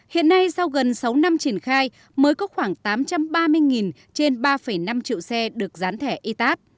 hiện nay sau gần sáu năm triển khai mới có khoảng tám trăm ba mươi trên ba năm triệu xe được dán thẻ itat